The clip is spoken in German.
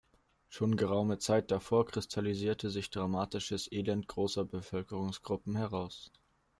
Schon geraume Zeit davor kristallisierte sich dramatisches Elend großer Bevölkerungsgruppen heraus.